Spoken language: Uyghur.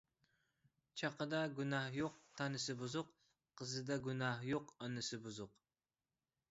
چاقىدا گۇناھ يوق، تانىسى بۇزۇق. قىزىدا گۇناھ يوق، ئانىسى بۇزۇق.